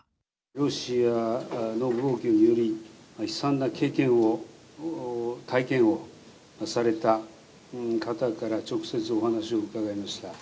ロシアの暴挙により、悲惨な経験を、体験をされた方から直接お話を伺いました。